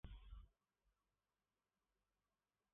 او بیل را به دیوار تکیه داد.